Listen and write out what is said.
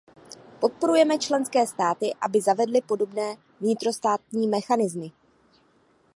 Podporujeme členské státy, aby zavedly podobné vnitrostátní mechanismy.